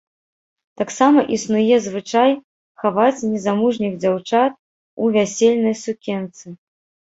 Таксама існуе звычай хаваць незамужніх дзяўчат у вясельнай сукенцы.